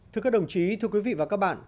thưa các đồng chí thưa quý vị và các bạn